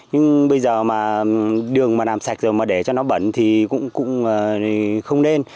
nhưng bây giờ mà đường mà làm sạch rồi mà để cho nó bẩn thì cũng không nên